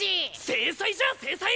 制裁じゃ制裁！